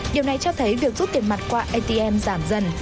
điều này cho thấy việc rút tiền mặt qua atm giảm dần